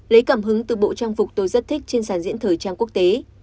lấy cảm hứng từ bộ trang phục tôi rất thích trên sản diễn thời trang quốc tế